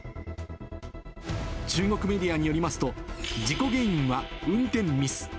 中国メディアによりますと、事故原因は運転ミス。